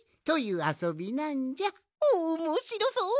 おもしろそう！